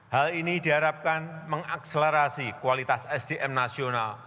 hal ini diharapkan mengakselerasi kualitas sdm nasional